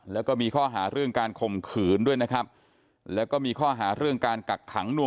แล้วก็มีข้อหาเรื่องการคมขืนด้วยนะครับ